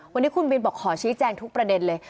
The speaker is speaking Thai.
วันนี้คุณบินบอกขอชี้แจงทุกประเด็นเลย